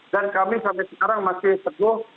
dan kami sampai sekarang masih teguh